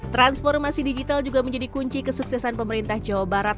transformasi digital juga menjadi kunci kesuksesan pemerintah jawa barat